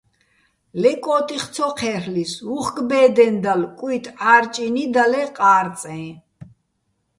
ლე კო́ტიხ ცო ჴე́რლ'ისო̆, უ̂ხკ ბე́დეჼ დალო̆, კუჲტი ჺარჭინი́ და ლე ყა́რწეჼ.